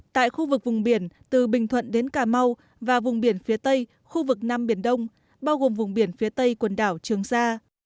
tại khu vực vùng biển từ bình thuận đến cà mau và vùng biển phía tây khu vực nam biển đông bao gồm vùng biển phía tây quần đảo trường sa